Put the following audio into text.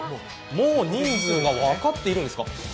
もう人数が分かっているんですか？